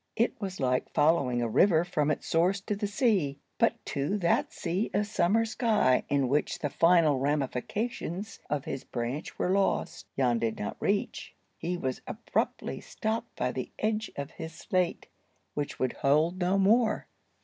It was like following a river from its source to the sea. But to that sea of summer sky, in which the final ramifications of his branch were lost, Jan did not reach. He was abruptly stopped by the edge of his slate, which would hold no more.